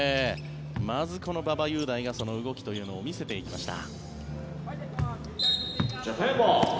まず馬場雄大が動きというのを見せていきました。